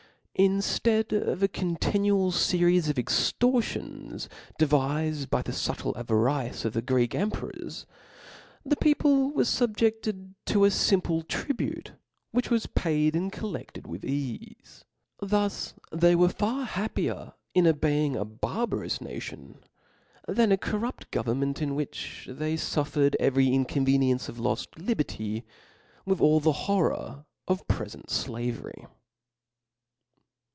Inftead of a continual fcries of extortions devifed by the (ubtle avarice of* tHe Greek emperors, the people were fubjecSedf to a fimple tribute, which was paid and collcdled wlrh cafe. Thus they 'were far happier in obeying a barbarous nation, than a corrupt government, in which they fuffercd every inconvenience of lod li berty, with all the horror of prefent flavery.